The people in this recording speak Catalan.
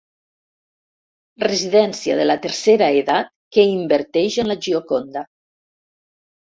Residència de la tercera edat que inverteix en la Gioconda.